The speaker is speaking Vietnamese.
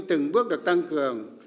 từng bước được tăng cường